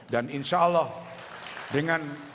dan insya allah dengan